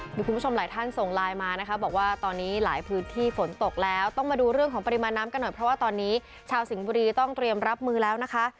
มีคุณผู้ชมหลายท่านส่งไลน์มานะคะบอกว่าตอนนี้หลายพื้นที่ฝนตกแล้วต้องมาดูเรื่องของปริมาณน้ำกันหน่อยเพราะว่าตอนนี้ชาวสิงห์บุรีต้องเตรียมรับมือแล้วนะคะ